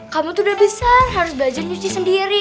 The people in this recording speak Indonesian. kamu tuh udah besar harus belajar nyuci sendiri